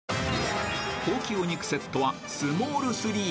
［高級お肉セットはスモール３へ］